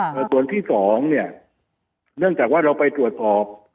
ส่วนที่สองเนี่ยเนื่องจากว่าเราไปตรวจสอบ